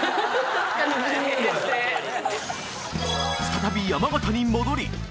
再び山形に戻り